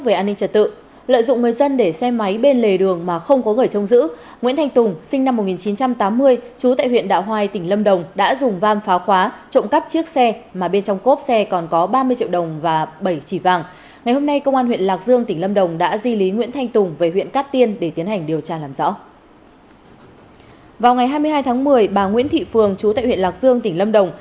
vào ngày hai mươi hai tháng một mươi bà nguyễn thị phường chú tại huyện lạc dương tỉnh lâm đồng